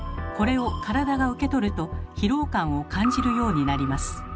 これを体が受け取ると疲労感を感じるようになります。